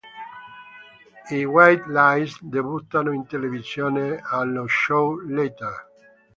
I White Lies debuttano in televisione allo show "Later...